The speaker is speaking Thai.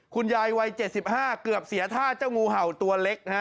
คุณยายวัย๗๕เกือบเสียท่าเจ้างูเห่าตัวเล็กนะฮะ